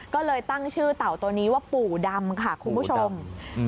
ก็เลยตั้งชื่อเต่าตัวนี้ว่าปู่ดำค่ะคุณผู้ชม